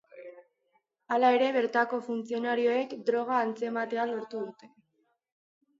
Hala ere, bertako funtzionarioek droga atzematea lortu dute.